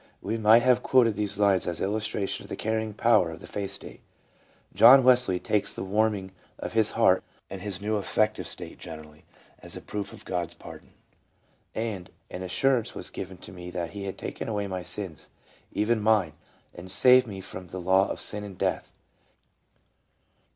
We might have quoted these lines as illustration of the carrying power of the faith state. John Wesley takes the warming of his heart, and his new affective state generally, as a proof of God's pardon, "... and an assurance was given me that He had taken away my sins, even mine, and saved me from the law of sin and death."